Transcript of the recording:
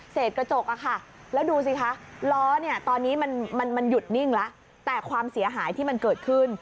กระจกอะค่ะแล้วดูสิคะล้อเนี่ยตอนนี้มันหยุดนิ่งแล้วแต่ความเสียหายที่มันเกิดขึ้น